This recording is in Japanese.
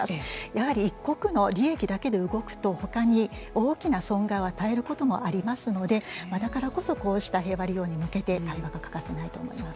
やはり一国の利益だけで動くとほかに大きな損害を与えることもありますのでだからこそこうした平和利用に向けて対話が欠かせないと思います。